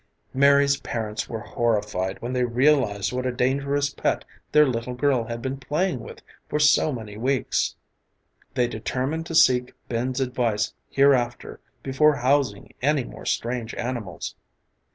Mary's parents were horrified when they realized what a dangerous pet their little girl had been playing with for so many weeks. They determined to seek Ben's advice hereafter before housing any more strange animals.